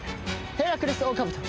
ヘラクレスオオカブト。